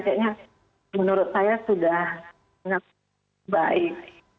kayaknya menurut saya sudah baik